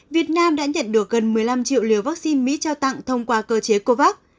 việt nam đã nhận được gần một mươi năm triệu liều vaccine mỹ trao tặng thông qua cơ chế covax